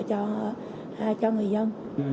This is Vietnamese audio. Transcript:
cho người dân